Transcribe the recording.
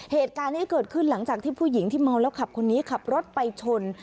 เหตุการณ์นี้เกิดขึ้นหลังจากที่ผู้หญิงที่เมาแล้วขับคนนี้ขับรถไปชน